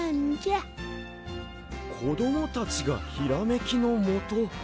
こどもたちがひらめきのもと。